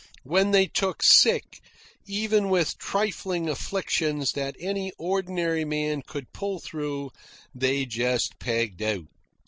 When they took sick, even with trifling afflictions that any ordinary man could pull through, they just pegged out.